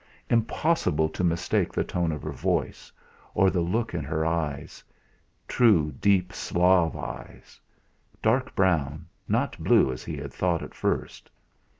Impossible to mistake the tone of her voice, or the look in her eyes, true deep Slav eyes; dark brown, not blue as he had thought at first.